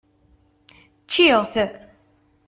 Ččiɣ-t.